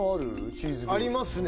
チーズでありますね